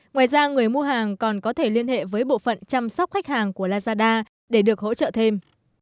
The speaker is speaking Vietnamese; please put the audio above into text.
ngoài ra người mua hàng còn có thể liên hệ với bộ phận chăm sóc khách hàng của lazada để được hỗ trợ thêm